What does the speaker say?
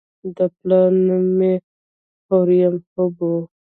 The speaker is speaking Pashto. د پلار نوم یې هوریم هب و.